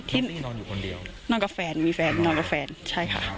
นอนอยู่คนเดียวนอนกับแฟนมีแฟนนอนกับแฟนใช่ค่ะ